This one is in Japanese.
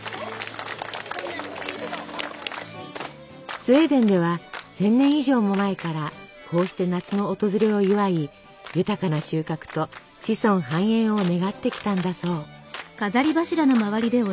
スウェーデンでは１，０００年以上も前からこうして夏の訪れを祝い豊かな収穫と子孫繁栄を願ってきたんだそう。